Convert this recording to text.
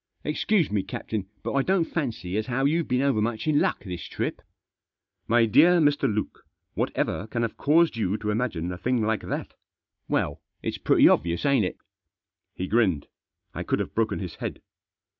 "Excuse me, captain, but I don't fancy as how you've been overmuch in luck this trip/' a My dear Mr. Luke, whatever can have caused you to imagine a thing like that ?"« Well— it's pretty obvious, ain't it ?" He grinned. I could have broken his head.